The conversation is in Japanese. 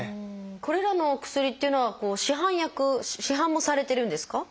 これらのお薬っていうのは市販薬市販もされてるんですか？